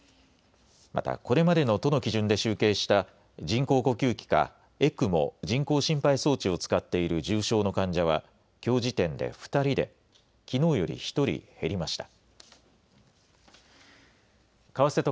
また、これまでの都の基準で集計した人工呼吸器かＥＣＭＯ・人工心肺装置を使っている重症の患者は、きょう時点で２人で、きのうより１人減りました。